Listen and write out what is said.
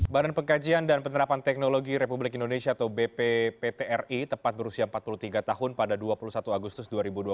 badan pengkajian dan penerapan teknologi republik indonesia atau bpptri tepat berusia empat puluh tiga tahun pada dua puluh satu agustus dua ribu dua puluh